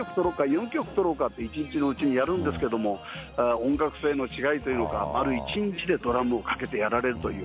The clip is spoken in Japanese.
４曲とろうかって、一日のうちにやるんですけど、音楽性の違いというのか、丸１日でドラムをかけてやられるという。